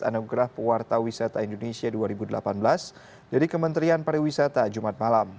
anugerah pewarta wisata indonesia dua ribu delapan belas dari kementerian pariwisata jumat malam